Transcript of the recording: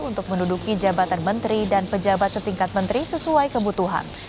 untuk menduduki jabatan menteri dan pejabat setingkat menteri sesuai kebutuhan